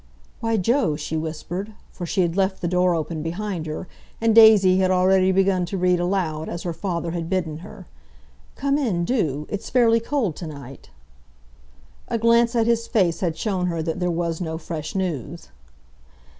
"Why, Joe," she whispered, for she had left the door open behind her, and Daisy had already begun to read aloud, as her father had bidden her. "Come in, do! It's fairly cold to night." A glance at his face had shown her that there was no fresh news.